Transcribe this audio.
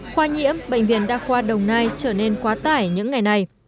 khoa nhiễm bệnh viện đa khoa đồng nai trở nên quá tải những ngày này